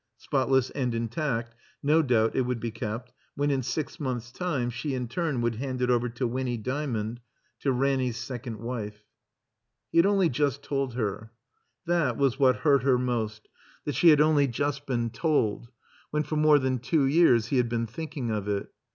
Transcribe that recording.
Spotless and intact no doubt it would be kept when, in six months' time, she in turn would hand it over to Winny Dymond, to Ranny's second wife. He had only just told her. That was what hurt her most, that she had only just been told, when for more than two years he had been thinking of it.